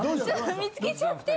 見つけちゃって。